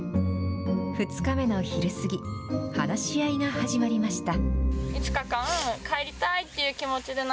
２日目の昼過ぎ、話し合いが始まりました。